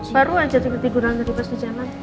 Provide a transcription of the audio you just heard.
baru aja tidur nanti pas di jalan